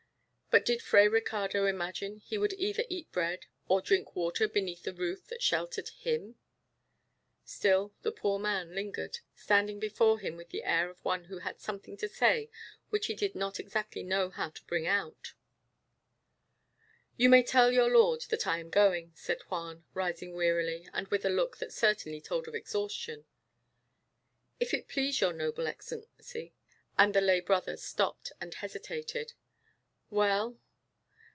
But did Fray Ricardo imagine he would either eat bread or drink water beneath the roof that sheltered him? Still the poor man lingered, standing before him with the air of one who had something to say which he did not exactly know how to bring out. "You may tell your lord that I am going," said Juan, rising wearily, and with a look that certainly told of exhaustion. "If it please your noble Excellency " and the lay brother stopped and hesitated. "Well?"